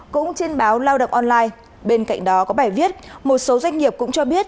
cũng trên báo lao động online bên cạnh đó có bài viết một số doanh nghiệp cũng cho biết